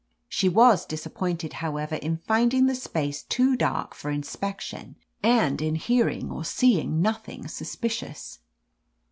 205 THE AMAZING ADVENTURES She was disappointed, however, in finding the space too dark for inspection, and in hearing or seeing nothing suspicious.